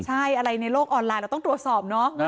ใช่อะไรในโลกออนไลน์เราต้องตรวจสอบเนาะ